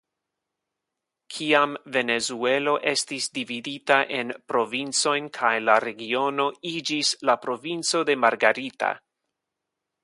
Kiam Venezuelo estis dividita en provincojn kaj la regiono iĝis la provinco de Margarita.